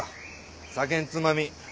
酒んつまみ。